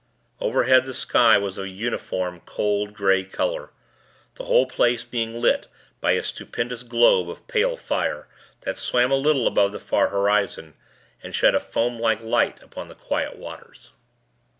Overhead, the sky was of a uniform cold grey color the whole place being lit by a stupendous globe of pale fire, that swam a little above the far horizon, and shed a foamlike light above the quiet waters.